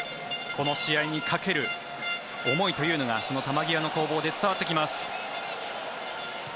この試合にかける思いというのがその球際の攻防で伝わってきます。